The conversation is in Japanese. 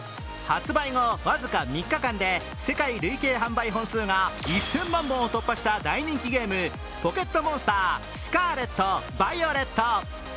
２位、発売後僅か３日間で世界累計販売本数が１０００万本を突破した「ポケットモンスタースカーレット・バイオレット」。